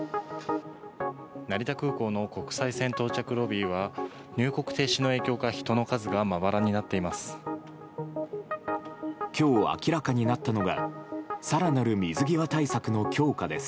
成田空港の国際線到着ロビーは入国停止の影響か人の数がまばらになっています。